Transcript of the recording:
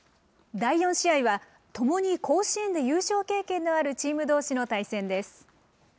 第４試合は、ともに甲子園で優勝経験のあるチームどうしの対戦です。